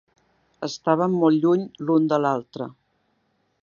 Estàvem molt lluny l'un de l'altre.